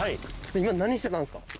今何してたんですか？